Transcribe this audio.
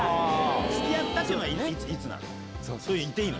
つきあったというのはいつなの？